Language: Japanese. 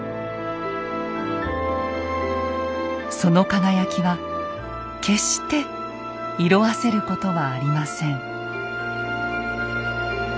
その輝きが決して色あせることはありません。